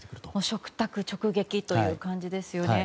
食卓直撃という感じですよね。